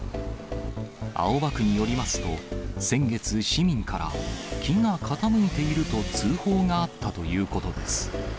青葉区によりますと、先月、市民から木が傾いていると通報があったということです。